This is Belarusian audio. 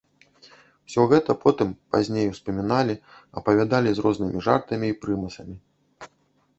Усё гэта потым, пазней, успаміналі, апавядалі з рознымі жартамі і прымасамі.